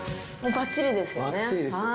ばっちりですよね。